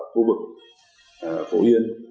phu vực phổ hiên